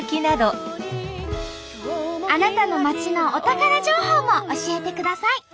あなたの町のお宝情報も教えてください。